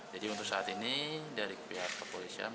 jadi untuk saat ini dari pihak kepolisian